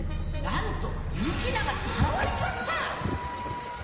なんとユキナがさらわれちまった！